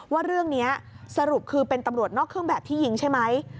ว่าเรื่องนี้สรุปคือเป็นตำรวจนอกเครื่องแบบที่ยิงใช่ไหม